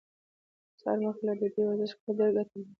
سهار مخکې له ډوډۍ ورزش کول ډيره ګټه لري.